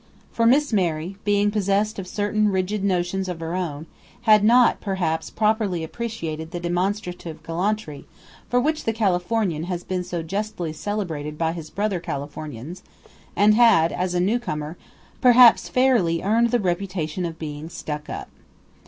For Miss Mary, being possessed of certain rigid notions of her own, had not, perhaps, properly appreciated the demonstrative gallantry for which the Californian has been so justly celebrated by his brother Californians, and had, as a newcomer, perhaps fairly earned the reputation of being "stuck up."